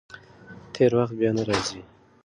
تېر وخت بیا نه راځي.